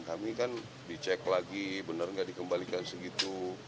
kami kan dicek lagi benar nggak dikembalikan segitu